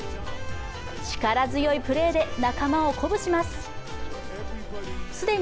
力強いプレーで仲間を鼓舞します。